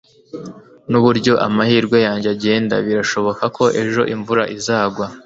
Nuburyo amahirwe yanjye agenda birashoboka ko ejo imvura izagwa